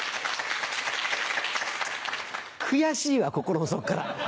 悔しいわ心の底から。